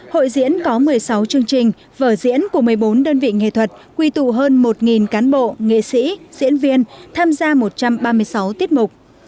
hội diễn có một mươi sáu chương trình vở diễn của một mươi bốn đơn vị nghệ thuật quy tụ hơn một cán bộ nghệ sĩ diễn viên tham gia một trăm ba mươi sáu tiết mục